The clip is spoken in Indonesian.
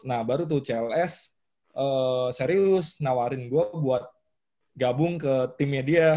nah baru tuh cls serius nawarin gue buat gabung ke timnya dia